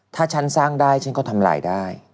ถ้าฉันสร้างได้ฉันก็ทำลายได้